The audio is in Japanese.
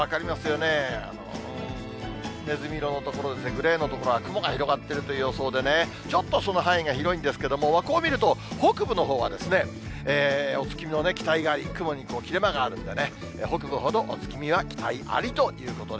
ねずみ色の所ですね、グレーの所は雲が広がっているという予想でね、ちょっとその範囲が広いんですけれども、こう見ると、北部のほうは、お月見の期待が、雲に切れ間があるんでね、北部ほどお月見は期待ありということで。